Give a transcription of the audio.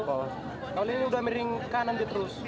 kalau ini sudah miring kanan terus